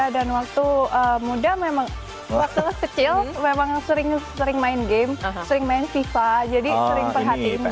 waktu muda memang waktu kecil memang sering main game sering main fifa jadi sering perhatiin